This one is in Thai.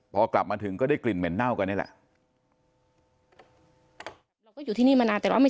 พอกลับมาถึงก็ได้กลิ่นเหม็นเน่ากันนี่แหละ